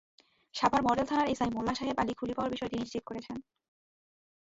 Savar model থানার SI Molla Soheb Ali খুলি পাওয়ার বিষয়টি নিশ্চিত করেছেন।